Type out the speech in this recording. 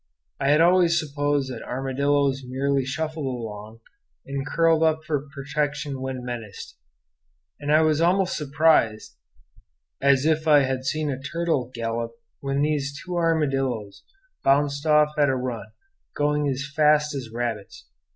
I had always supposed that armadillos merely shuffled along, and curled up for protection when menaced; and I was almost as surprised as if I had seen a turtle gallop when these two armadillos bounded off at a run, going as fast as rabbits.